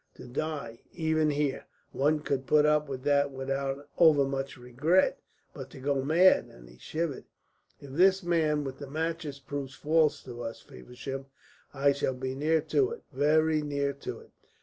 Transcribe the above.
To die, even here, one could put up with that without overmuch regret; but to go mad!" and he shivered. "If this man with the matches proves false to us, Feversham, I shall be near to it very near to it.